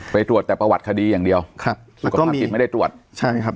ไปตรวจแต่ประวัติคดีอย่างเดียวครับสุขภาพจิตไม่ได้ตรวจใช่ครับ